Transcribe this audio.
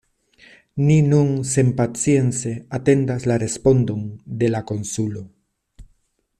Ni nun senpacience atendas la respondon de la konsulo.